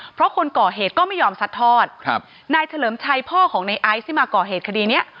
เพราะคนก่อเหตุก็ไม่ยอมซัดทอดครับนายเฉลิมชัยพ่อของในไอซ์ที่มาก่อเหตุคดีเนี้ย